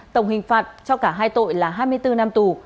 tổng hình phạt cho cả hai tội là hai mươi bốn năm tù